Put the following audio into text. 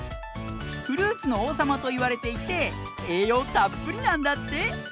フルーツのおうさまといわれていてえいようたっぷりなんだって。